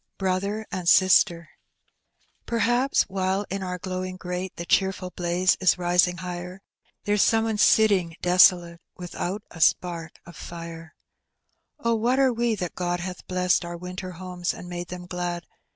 BSOTBEB AND 8I8TEB, PerhapB while in onr glowing grate The cheerful blaza ia risiag higher. There's Bome one iitting desolate TTithont a Bpark of fii«. Oh, what are we, that God hath blegaed Onr winter homes and made them glad.